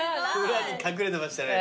裏に隠れてましたね。